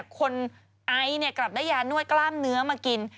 ไอกลับได้ยานวดกล้ามเนื้อมากิน